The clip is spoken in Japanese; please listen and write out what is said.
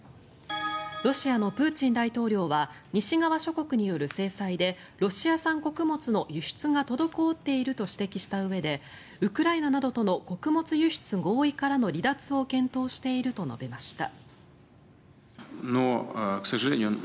ロシアのプーチン大統領は西側諸国による制裁でロシア産穀物の輸出が滞っていると指摘したうえでウクライナなどとの穀物輸出合意からの離脱を検討していると述べました。